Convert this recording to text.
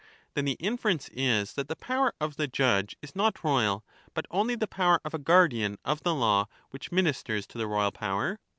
Then the inference is that the power of the judge is not royal, but only the power of a guardian of the law which ministers to the royal power